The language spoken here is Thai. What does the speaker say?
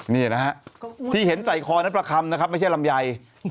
นี่นะฮะที่เห็นใส่คอนั้นประคำนะครับไม่ใช่ลำไย